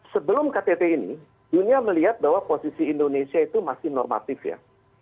sebelum ktt ini dunia melihat bahwa posisi indonesia itu masih normatif ya